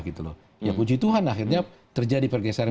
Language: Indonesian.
ya puji tuhan akhirnya terjadi pergeseran